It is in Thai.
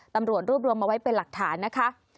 ตำรวจรวบรวมมาไว้เป็นหลักฐานนะคะ